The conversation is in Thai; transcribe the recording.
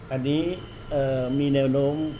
อันนี้มีแนวโน้ม